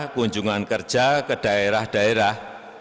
kunjungan kerja ke daerah daerah